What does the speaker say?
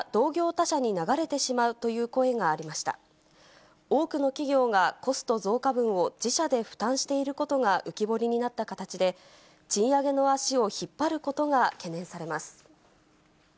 多くの企業がコスト増加分を自社で負担していることが浮き彫りになった形で、賃上げの足を引っ張ることが懸念されます。